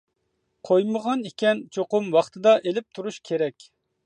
قويمىغان ئىكەن چوقۇم ۋاقتىدا ئېلىپ تۇرۇش كېرەك.